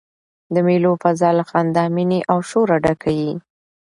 د مېلو فضاء له خندا، میني او شوره ډکه يي.